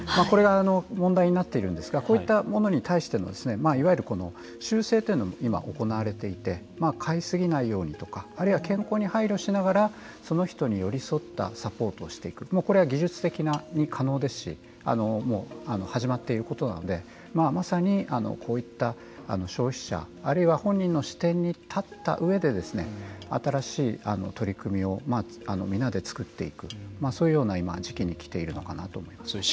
これが問題になっているんですがこういったものに対してのいわゆる修正というのを今、行われていて買い過ぎないようにとかあるいは健康に配慮しながらその人に寄り添ったサポートをしていくこれは技術的に可能ですし始まっていることなのでまさに、こういった消費者あるいは本人の視点に立った上で新しい取り組みを皆で作っていくそういうような今、時期に来ているのかなと思います。